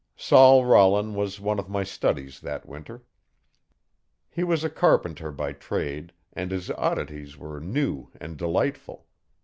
Sol Rollin was one of my studies that winter. He was a carpenter by trade and his oddities were new and delightful.